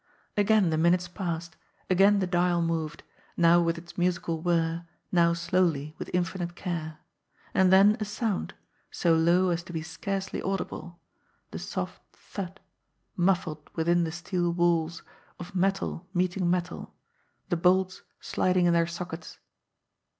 Again the minutes passed ; again the dial moved, now with its musical whir, now slowly, with infinite care; and then a sound, so low as to be scarcely audible the soft thud, muf fled within the steel walls, of metal meeting metal, the bolts sliding in their sockets.